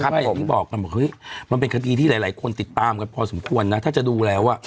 เพราะตอนนี้มันเป็นคาดีที่หลายคนติดตามพอสมควรนะถ้าจะดูแล้ว